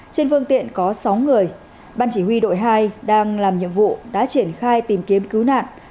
trên phương tiện có sáu người ban chỉ huy đội hai đang làm nhiệm vụ đã triển khai tìm kiếm cứu nạn